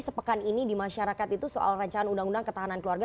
sepekan ini di masyarakat itu soal rancangan undang undang ketahanan keluarga